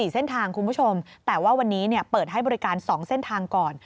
๔เส้นทางคุณผู้ชมแต่ว่าวันนี้เปิดให้บริการ๒เส้นทางก่อน